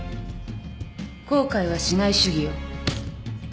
後悔はしない主義よ。